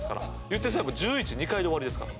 言ってしまえば１１２回で終わりですから。